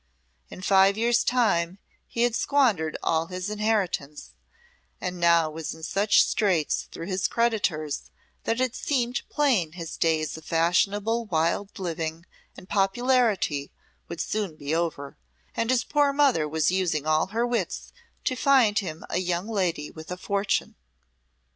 In five years' time he had squandered all his inheritance, and now was in such straits through his creditors that it seemed plain his days of fashionable wild living and popularity would soon be over, and his poor mother was using all her wits to find him a young lady with a fortune.